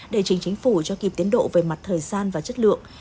để chính chính phủ cho kịp tiến độ về mặt thời gian và chất lượng